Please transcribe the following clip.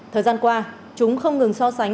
thời gian qua chúng không ngừng so sánh